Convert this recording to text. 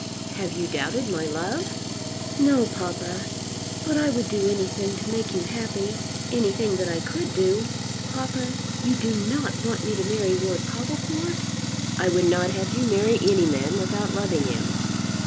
"Have you doubted my love?" "No, papa, but I would do anything to make you happy; anything that I could do. Papa, you do not want me to marry Lord Popplecourt?" "I would not have you marry any man without loving him."